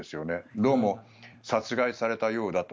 どうも殺害されたようだと。